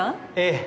ええ。